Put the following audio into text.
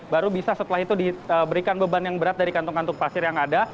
baru bisa setelah itu diberikan beban yang berat dari kantung kantung pasir yang ada